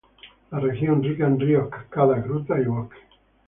La región rica en ríos, cascadas, grutas y bosques.